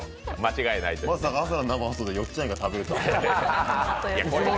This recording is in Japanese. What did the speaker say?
朝の生放送でよっちゃんイカ食べるとは。